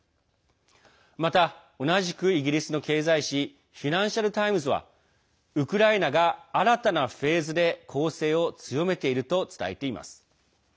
また、同じくイギリスの経済紙フィナンシャル・タイムズはウクライナが新たなフェーズで攻勢を強めていると伝えています。